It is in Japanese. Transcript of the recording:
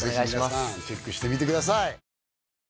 ぜひ皆さんチェックしてみてください